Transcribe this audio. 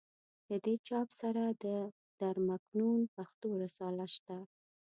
له دې چاپ سره د در مکنون پښتو رساله شته.